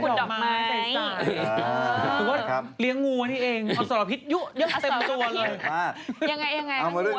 งูมากกินทุกพืช